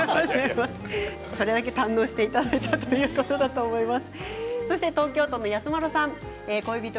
それだけ堪能していただいたということだと思います。